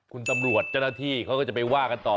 คุณตำรวจเจ้าหน้าที่เขาก็จะไปว่ากันต่อ